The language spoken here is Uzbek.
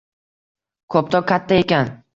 Koptok katta ekan